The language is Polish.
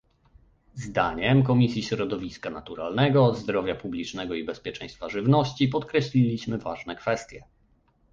Zdaniem Komisji Środowiska Naturalnego, Zdrowia Publicznego i Bezpieczeństwa Żywności podkreśliliśmy ważne kwestie